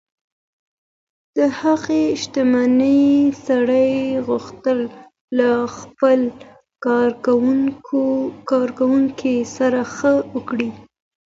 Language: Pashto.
دغه شتمن سړي غوښتل له خپلې کارکوونکې سره ښه وکړي.